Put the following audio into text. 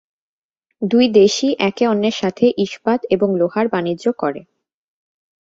দুই দেশই একে অন্যের সাথে ইস্পাত এবং লোহার বাণিজ্য করে।